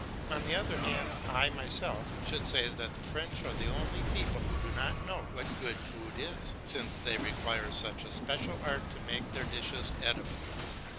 On the other hand, I myself should say that the French are the only people who do not know what good food is, since they require such a special art to make their dishes eatable.